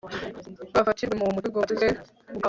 bafatirwe mu mutego bateze ubwabo